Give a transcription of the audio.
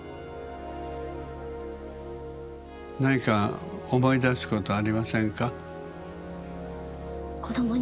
何か思い出すことはありませんか？